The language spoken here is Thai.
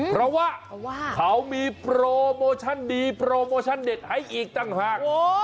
เพราะว่าเขามีโปรโมชั่นดีโปรโมชั่นเด็ดให้อีกต่างหาก